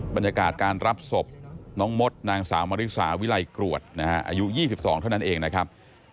บรรยากาศการรับศพน้องมดนางสาวมริสาวิลัยกรวดนะฮะอายุ๒๒เท่านั้นเองนะครับ